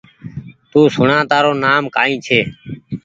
تو سوڻآ تآرو نآم ڪآئي ڇي